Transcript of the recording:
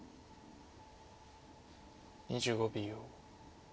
２５秒。